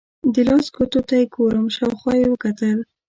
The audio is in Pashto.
د لاس ګوتو ته یې ګورم، شاوخوا یې وکتل.